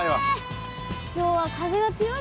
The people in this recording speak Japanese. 今日は風が強いからね。